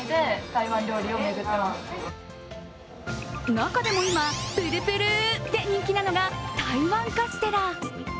中でも、今、ぷるぷるで人気なのが台湾カステラ。